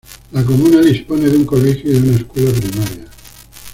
La comuna dispone de un colegio y de una escuela primaria.